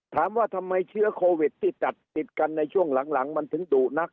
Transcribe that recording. ถามว่าทำไมเชื้อโควิดที่ตัดติดกันในช่วงหลังมันถึงดุนัก